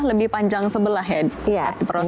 lebih panjang sebelah ya